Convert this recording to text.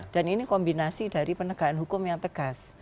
dan ini kombinasi dari penegakan hukum yang tegas